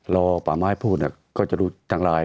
รอป่าไม้พูดก็จะรู้สักเกี่ยว